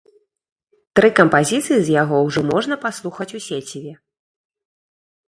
Тры кампазіцыі з яго ўжо можна паслухаць у сеціве.